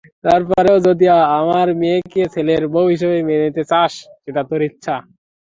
তারপরও যদি আমার মেয়েকে ছেলের বউ হিসেবে মেনে নিতে চাস সেটা তোর ইচ্ছা।